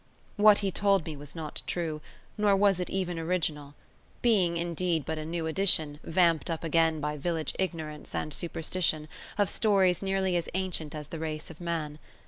What he told me was not true, nor was it even original; being, indeed, but a new edition, vamped up again by village ignorance and superstition, of stories nearly as ancient as the race of man.